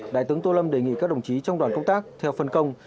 đại tướng tô lâm đề nghị các đồng chí trong đoàn công tác theo phân công